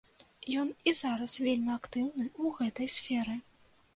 Ён і зараз вельмі актыўны ў гэтай сферы.